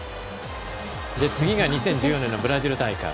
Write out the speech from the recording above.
次が２０１４年のブラジル大会。